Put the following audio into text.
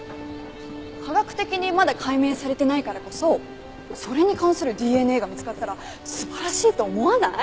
科学的にまだ解明されてないからこそそれに関するＤＮＡが見つかったら素晴らしいと思わない？